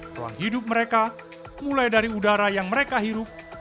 ruang hidup mereka mulai dari udara yang mereka hirup